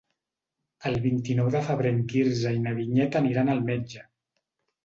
El vint-i-nou de febrer en Quirze i na Vinyet aniran al metge.